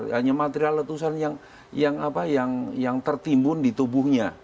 hanya material letusan yang tertimbun di tubuhnya